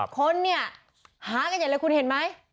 คนเนี่ยหากันใหญ่เลยคุณเห็นไหม